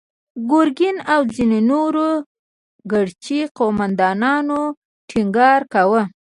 ګرګين او ځينو نورو ګرجي قوماندانانو ټينګار کاوه.